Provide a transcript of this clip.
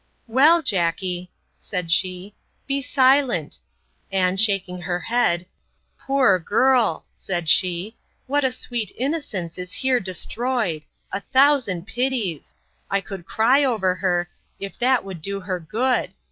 Well, Jackey, said she, be silent; and, shaking her head, Poor girl!—said she—what a sweet innocence is here destroyed!—A thousand pities!—I could cry over her, if that would do her good!